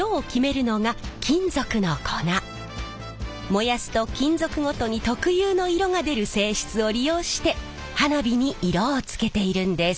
燃やすと金属ごとに特有の色が出る性質を利用して花火に色をつけているんです。